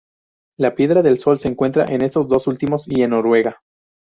La piedra del sol se encuentra en estos dos últimos y en Noruega.